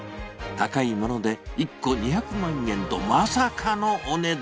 高いもので１個２００万円と、まさかのお値段。